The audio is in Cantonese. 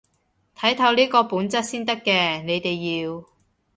睇透呢個本質先得嘅，你哋要